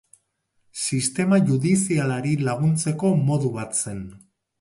Sistema judizialari laguntzeko modu bat zen.